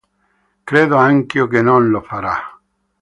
Credo anch'io che non lo farà.